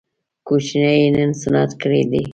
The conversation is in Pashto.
کوچنی يې نن سنت کړی دی